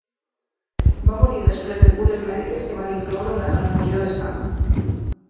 Va morir després de cures mèdiques que van incloure una transfusió de sang.